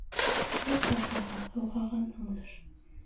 — Эс, атаһы, һыуһағанһыңдыр.